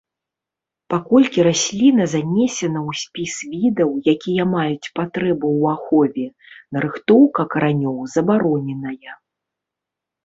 Паколькі расліна занесена ў спіс відаў, якія маюць патрэбу ў ахове, нарыхтоўка каранёў забароненая.